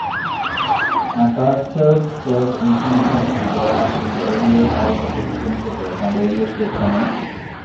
McArthur served intermittently thereafter in the Ohio House of Representatives and Ohio State Senate.